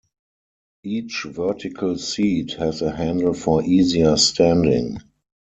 Each vertical seat has a handle for easier standing.